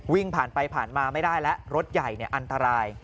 วิ่งผ่านไปผ่านมาไม่ได้แล้วรถใหญ่อันตราย